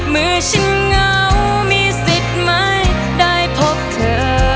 มือฉันเงามีสิทธิ์ไม่ได้พบเธอ